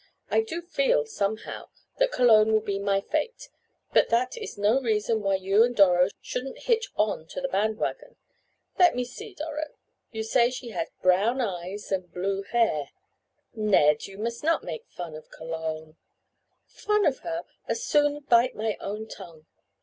I do feel, somehow, that Cologne will be my fate, but that is no reason why you and Doro shouldn't hitch on to the band wagon. Let me see, Doro, you say she has brown eyes and blue hair—" "Ned! You must not make fun of Cologne—" "Fun of her! As soon bite my own tongue.